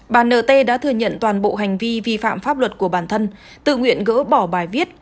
bà nt đã thừa nhận toàn bộ hành vi vi phạm pháp luật của bản thân tự nguyện gỡ bỏ bài viết